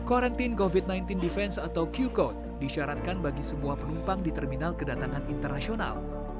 quarantine covid sembilan belas defense atau q code disyaratkan bagi semua penumpang di terminal kedatangan internasional